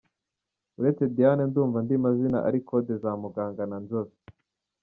Uretse Diane ndumva andi mazina ari codes za Muganga na Nzobe.